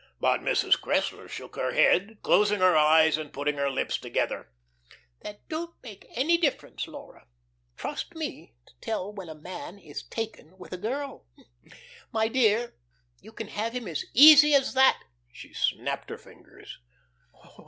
But Mrs. Cressler shook her head, closing her eyes and putting her lips together. "That don't make any difference, Laura. Trust me to tell when a man is taken with a girl. My dear, you can have him as easy as that." She snapped her fingers.